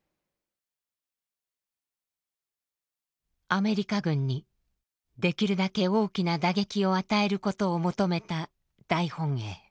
アメリカ軍にできるだけ大きな打撃を与えることを求めた大本営。